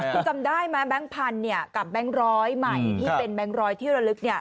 คุณจำได้ไหมแบงค์พันธุ์เนี่ยกับแบงค์ร้อยใหม่ที่เป็นแบงค์ร้อยที่ระลึกเนี่ย